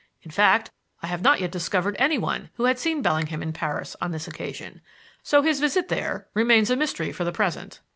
In fact, I have not yet discovered anyone who had seen Bellingham in Paris on this occasion. So his visit there remains a mystery for the present."